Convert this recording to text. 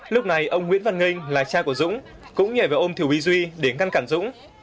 lúc này ông nguyễn văn nghinh là cha của dũng cũng nhảy vào ôm thiệu úy duy để ngăn cản dũng